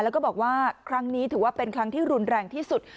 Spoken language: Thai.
แล้วก็บอกว่าครั้งนี้ถือว่าเป็นครั้งที่รุนแรงที่สุด